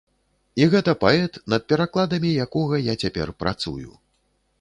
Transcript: І гэта паэт, над перакладамі якога я цяпер працую.